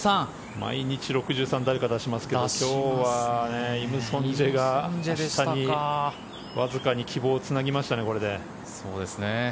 毎日、６３誰か出しますけど今日はイム・ソンジェがわずかに希望をこれでつなぎましたね。